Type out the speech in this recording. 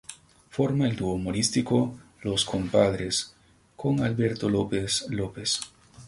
Forma el dúo humorístico "Los Compadres" con Alberto López López.